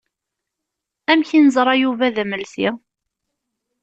Amek i neẓra Yuba d amelsi?